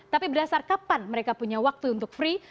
tapi berdasar kapan mereka punya waktu untuk free